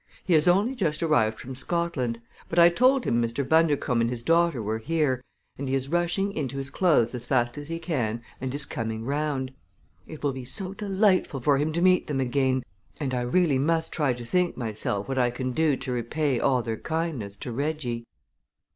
He has only just arrived from Scotland; but I told him Mr. Bundercombe and his daughter were here, and he is rushing into his clothes as fast as he can and is coming round. It will be so delightful for him to meet them again, and I really must try to think myself what I can do to repay all their kindness to Reggie."